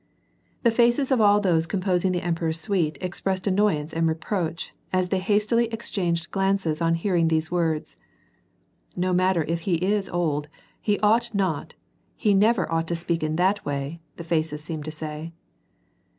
The faces of all those composing the emperor's suite ex pressed annoyance and reproach^ as they hastily exchanged glances on hearing these words. '* No matter if he is old, he ought not, he never ought to speak in that way," the faces seemed to say.